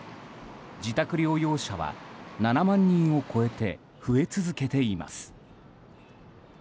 自宅療養者は７万人を超えて増え続けています。